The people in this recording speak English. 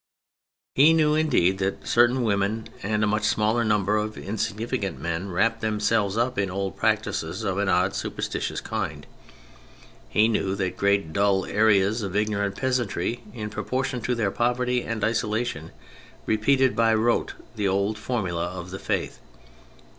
He knew, indeed, that certain women and a much smaller number of insignificant men wrapped themselves up in old practices of an odd, superstitious kind ; he knew that great, dull areas of ignorant peasantry, in proportion to their poverty and isolation, repeated by rote the old formulae of the Faith.